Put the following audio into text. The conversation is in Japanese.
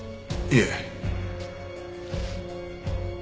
いえ。